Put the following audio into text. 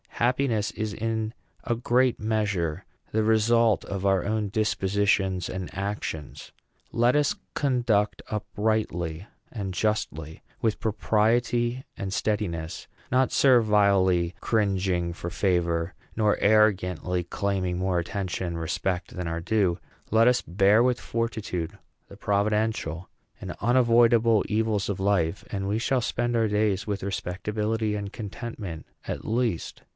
Happiness is in a great measure the result of our own dispositions and actions. Let us conduct uprightly and justly; with propriety and steadiness; not servilely cringing for favor, nor arrogantly claiming more attention and respect than our due; let us bear with fortitude the providential and unavoidable evils of life, and we shall spend our days with respectability and contentment at least.